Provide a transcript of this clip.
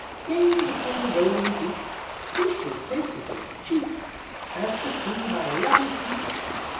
Gaze upon the rolling deep (Fish is plentiful and cheap); As the sea, my love is deep!"